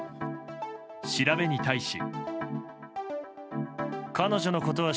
調べに対し。